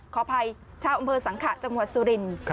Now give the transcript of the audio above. ขออภัยชาวอำเภอสังขะจังหวัดสุรินทร์